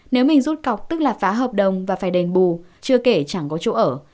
nếu mình rút cọc tức là phá hợp đồng và phải đền bù chưa kể chẳng có chỗ ở